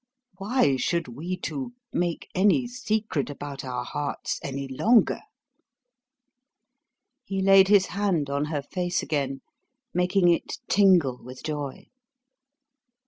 Why should we two make any secret about our hearts any longer?" He laid his hand on her face again, making it tingle with joy.